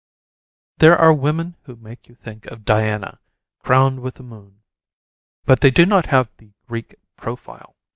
There are women who make you think of Diana, crowned with the moon. But they do not have the "Greek profile."